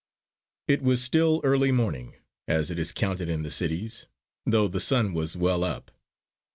It was still early morning, as it is counted in the cities, though the sun was well up.